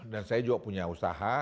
dan saya juga punya usaha